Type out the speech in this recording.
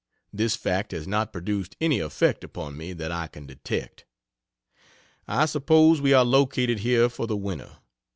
This fact has not produced any effect upon me that I can detect. I suppose we are located here for the winter.